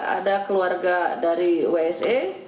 ada keluarga dari wsa